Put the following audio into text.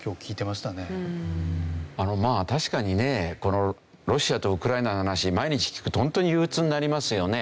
まあ確かにねこのロシアとウクライナの話毎日聞くとホントに憂鬱になりますよね。